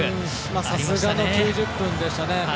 さすがの９０分でしたね。